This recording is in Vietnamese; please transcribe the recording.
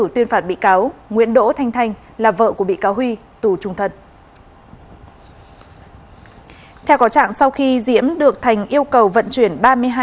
tên tôi thì tôi biết rất rõ về em